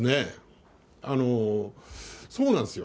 そうなんですよ。